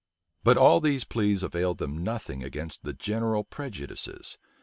But all these pleas availed them nothing against the general prejudices.